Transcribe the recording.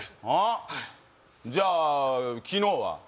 はいじゃあ昨日は？